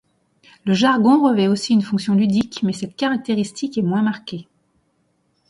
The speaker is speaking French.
Le jargon revêt aussi une fonction ludique, mais cette caractéristique est moins marquée.